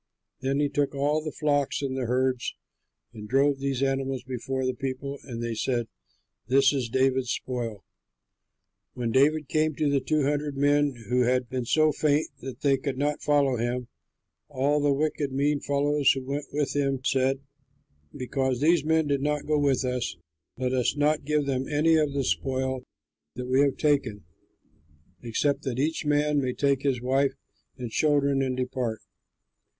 Then he took all the flocks and the herds and drove those animals before the people, and they said, "This is David's spoil." When David came to the two hundred men who had been so faint that they could not follow him, all the wicked, mean fellows who went with him said, "Because these men did not go with us, let us not give them any of the spoil that we have taken, except that each man may take his wife and children and depart."